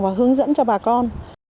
và hướng dẫn cho bà con